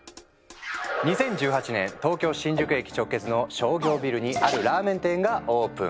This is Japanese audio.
２０１８年東京新宿駅直結の商業ビルにあるラーメン店がオープン。